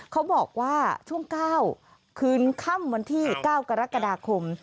เขาบอกว่าช่วง๙คืนค่ำวันที่๙กรกฎาคม